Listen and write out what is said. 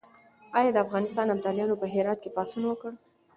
آیا د افغانستان ابدالیانو په هرات کې پاڅون وکړ؟